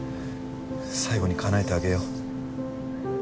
最後にかなえてあげよう。